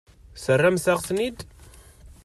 Terramt-aɣ-ten-id?